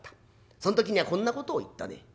そん時にはこんなことを言ったね。